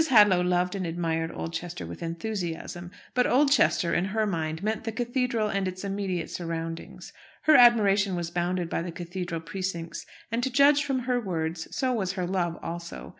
Hadlow loved and admired Oldchester with enthusiasm. But Oldchester, in her mind, meant the cathedral and its immediate surroundings. Her admiration was bounded by the cathedral precincts; and, to judge from her words, so was her love also.